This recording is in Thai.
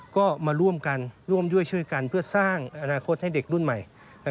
ก็มาร่วมกันร่วมด้วยช่วยกันเพื่อสร้างอนาคตให้เด็กรุ่นใหม่